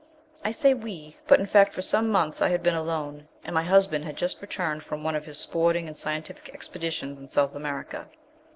I say we, but in fact for some months I had been alone, and my husband had just returned from one of his sporting and scientific expeditions in South America.